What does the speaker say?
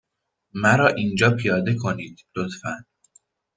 مرا اینجا پیاده کنید، لطفا.